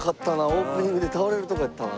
オープニングで倒れるとこやったな。